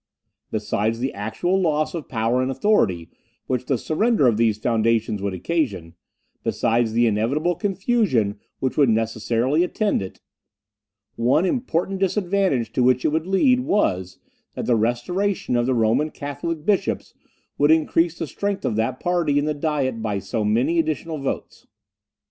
Besides the actual loss of power and authority, which the surrender of these foundations would occasion, besides the inevitable confusion which would necessarily attend it, one important disadvantage to which it would lead, was, that the restoration of the Roman Catholic bishops would increase the strength of that party in the Diet by so many additional votes.